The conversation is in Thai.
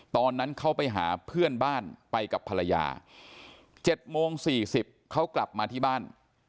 ตอนนั้นเขาไปหาเพื่อนบ้านไปกับภรรยา๗โมง๔๐เขากลับมาที่บ้าน